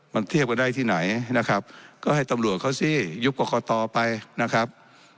มันเทียบกันได้ที่ไหนนะครับก็ให้ตำรวจเขาสิยุบกรกตไปนะครับ